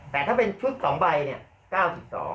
แต่ถ้าเป็นชุด๒ใบเนี่ย๙๒